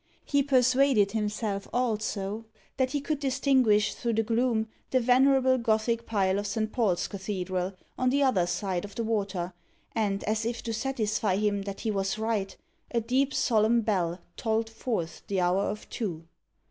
He persuaded himself, also, that he could distinguish through the gloom the venerable Gothic pile of Saint Paul's Cathedral on the other side of the water, and, as if to satisfy him that he was right, a deep solemn bell tolled forth the hour of two.